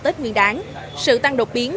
cho tết nguyên đáng sự tăng độc biến